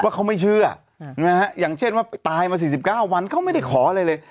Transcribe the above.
เขาไม่เชื่ออย่างเช่นว่าตายมา๔๙วันเขาไม่ได้ขออะไรเลย